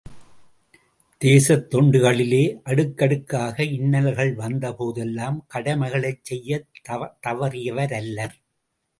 தேசத் தொண்டுகளிலே அடுக்கடுக்காக இன்னல்கள் வந்த போதெல்லாம் கடமைகளைச் செய்யத் தவறியவரல்லர்.